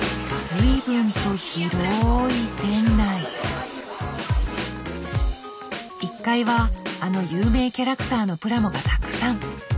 １階はあの有名キャラクターのプラモがたくさん。